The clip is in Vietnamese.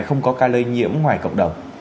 không có ca lây nhiễm ngoài cộng đồng